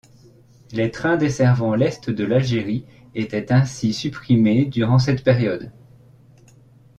Les trains desservant l'est de l'Algérie étaient ainsi supprimés durant cette période.